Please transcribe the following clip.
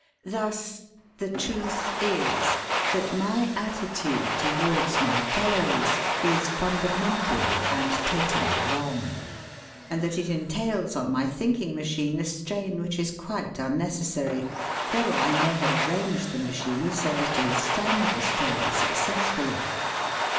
Thus: The truth is that my attitude towards my fellows is fundamentally and totally wrong, and that it entails on my thinking machine a strain which is quite unnecessary, though I may have arranged the machine so as to withstand the strain successfully.